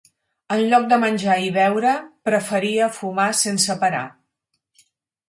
En lloc de menjar i beure, preferia fumar sense parar.